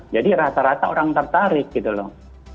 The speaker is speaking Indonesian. jadi rata rata orang tertarik gitu loh